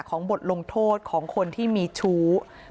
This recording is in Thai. บทลงโทษของคนที่มีชู้